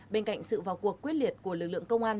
bên cạnh sự vào cuộc quyết liệt của lực lượng công an